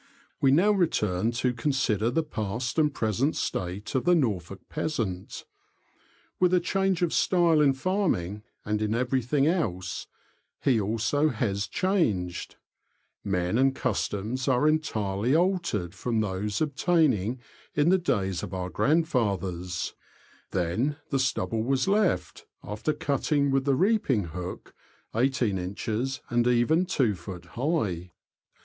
We now return to consider the past and present state of the Norfolk peasant. With a change of style in farming, and in everything else, he also has changed. Men and customs are entirely altered from those obtaining in the days of our grandfathers : then the stubble was left, after cutting with the CHARACTERISTICS AND DIALECT. 249 reaping hook, i8in. and even 2ft. high.